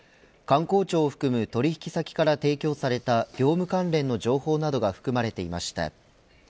官公庁を含む取引先から提供された業務関連の情報などが含まれていました。